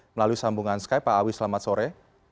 melalui sambungan skype pak awi selamat sore